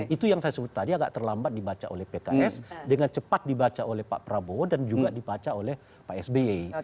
itu yang saya sebut tadi agak terlambat dibaca oleh pks dengan cepat dibaca oleh pak prabowo dan juga dibaca oleh pak sby